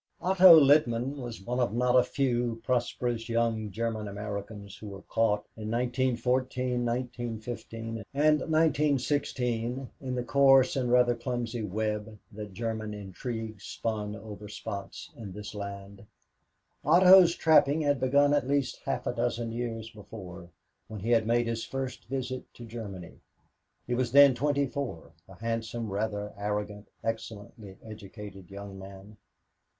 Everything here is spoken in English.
Otto Littman was one of not a few prosperous young German Americans who were caught in 1914, 1915, and 1916 in the coarse and rather clumsy web that German intrigue spun over spots in this land. Otto's trapping had begun at least half a dozen years before, when he had made his first visit to Germany. He was then twenty four, a handsome, rather arrogant, excellently educated young man.